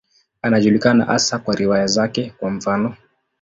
Anajulikana hasa kwa riwaya zake, kwa mfano.